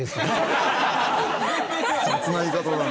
雑な言い方だな。